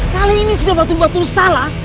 kali ini sudah batu batu salah